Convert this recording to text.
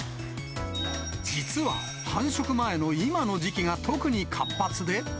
実は繁殖前の今の時期が特に活発で。